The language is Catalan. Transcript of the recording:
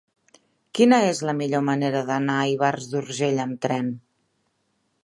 Quina és la millor manera d'anar a Ivars d'Urgell amb tren?